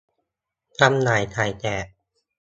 จำหน่ายจ่ายแจก